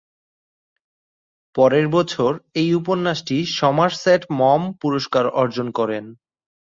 পরের বছর এই উপন্যাসটি সমারসেট মম পুরস্কার অর্জন করেন।